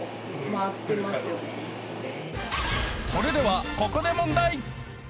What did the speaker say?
［それではここで］